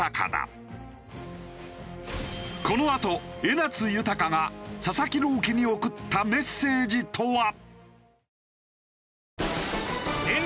このあと江夏豊が佐々木朗希に送ったメッセージとは？